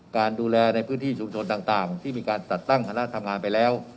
การดูแลในพื้นที่ชุมชนต่างที่มีการจัดตั้งคณะทำงานไปแล้ว